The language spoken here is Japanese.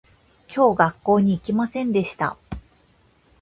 今日学校に行きませんでした